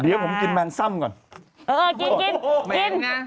เดี๋ยวผมกินแมนซ่ำก่อนเออกินกินไง